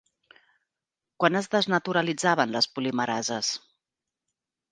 Quan es desnaturalitzaven les polimerases?